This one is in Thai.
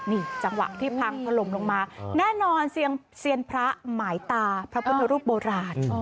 นี่จังหวะที่พังถล่มลงมาแน่นอนเซียนพระหมายตาพระพุทธรูปโบราณ